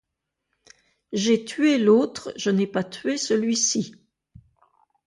J'ai tué l'autre, je n'ai pas tué celui-ci.